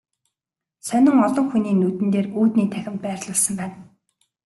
Сонин олон хүний нүдэн дээр үүдний танхимд байрлуулсан байна.